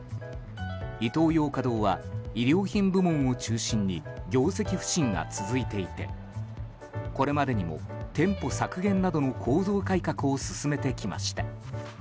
イトーヨーカ堂は衣料品部門を中心に業績不振が続いていてこれまでにも店舗削減などの構造改革を進めてきました。